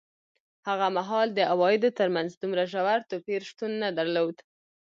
هغه مهال د عوایدو ترمنځ دومره ژور توپیر شتون نه درلود.